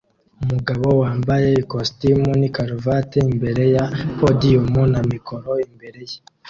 Umugabo wambaye ikositimu n'ikaruvati imbere ya podiyumu na mikoro imbere ye